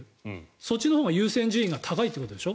そっちのほうが優先順位が高いってことでしょ。